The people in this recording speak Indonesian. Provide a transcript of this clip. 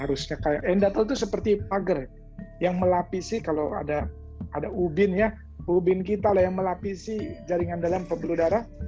harusnya kayak endatle itu seperti pager yang melapisi kalau ada ubin ya ubin kita lah yang melapisi jaringan dalam pembuluh darah